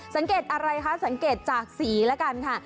สังเกตอะไรคะสังเกตจากสีแล้วกันค่ะ